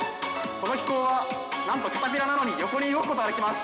この機構はなんとキャタピラーなのに横に動くことができます。